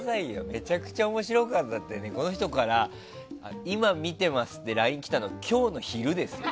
めちゃくちゃ面白かったってこの人から、今見てますってＬＩＮＥが来たの今日の昼ですよ。